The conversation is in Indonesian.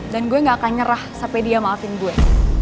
dan gue gak akan nyerah sampai dia maafin gue